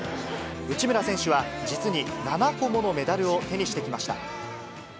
内村選手は実に、７個ものメダルを手にしてきました。